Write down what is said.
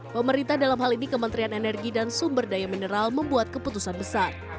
pemerintah dalam hal ini kementerian energi dan sumber daya mineral membuat keputusan besar